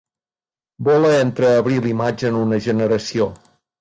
Vola entre abril i maig en una generació.